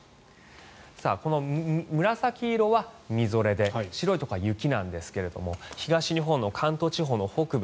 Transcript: この紫色はみぞれで白いところは雪なんですが東日本の関東地方の北部